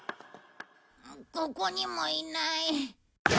ここにもいない。